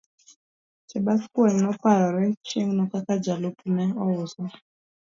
Chebaskwony noparore chieng' no kaka jalupne ouse.